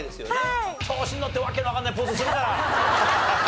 調子にのってわけのわかんないポーズするから。